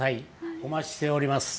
お待ちしております。